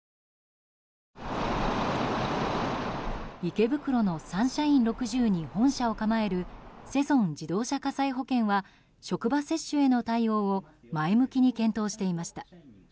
池袋のサンシャイン６０に本社を構えるセゾン自動車火災保険は職場接種への対応を前向きに検討していました。